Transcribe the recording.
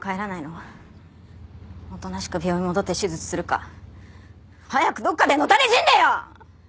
おとなしく病院戻って手術するか早くどっかで野垂れ死んでよ！